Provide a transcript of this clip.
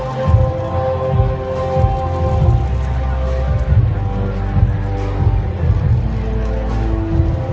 สโลแมคริปราบาล